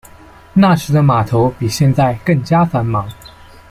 那时的码头比现在更加繁忙。